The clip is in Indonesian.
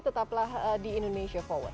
tetaplah di indonesia forward